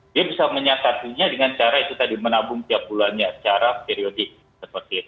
dia bisa menyakatinya dengan cara itu tadi menabung tiap bulannya secara periodik